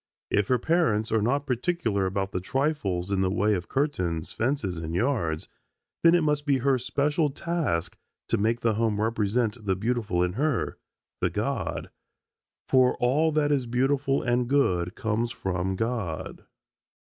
If her parents are not particular about the trifles in the way of curtains, fences, and yards, then it must be her special task to make the home represent the beautiful in her, the God, for all that is beautiful and good comes from God.